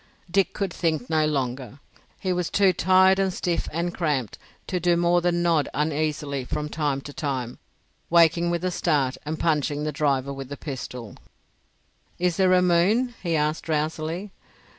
Dick could think no longer. He was too tired and stiff and cramped to do more than nod uneasily from time to time, waking with a start and punching the driver with the pistol. "Is there a moon?" he asked drowsily.